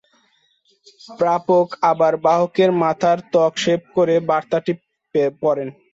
প্রাপক আবার বাহকের মাথার ত্বক শেভ করে বার্তাটি পড়েন।